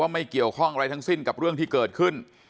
ไม่เกี่ยวข้องอะไรทั้งสิ้นกับเรื่องที่เกิดขึ้น